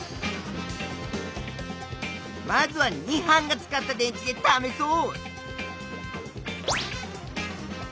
まずは２班が使った電池で試そう！